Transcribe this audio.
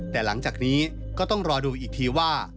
แต่หลังจากนี้ก็ต้องรอดูอีกทีว่า